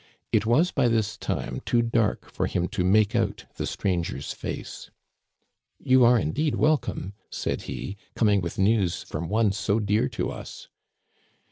It was by this time too dark for him to make out the stranger's face. "You are indeed welcome," said he, "coming with news from one so dear to us."